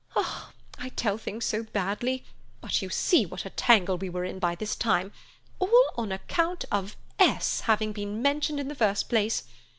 I tell things so badly; but you see what a tangle we were in by this time, all on account of S. having been mentioned in the first place.